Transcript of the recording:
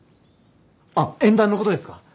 あっ縁談の事ですか？